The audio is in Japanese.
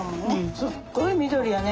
すっごい緑やね。